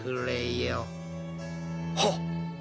はっ！